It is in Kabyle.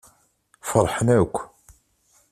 Feṛḥen akk.